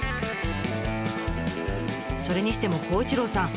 それにしても孝一郎さん